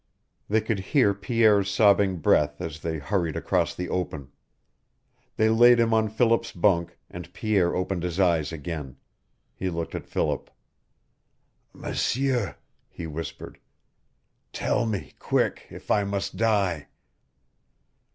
They could hear Pierre's sobbing breath as they hurried across the open. They laid him on Philip's bunk and Pierre opened his eyes again. He looked at Philip. "M'sieur," he whispered, "tell me quick if I must die!"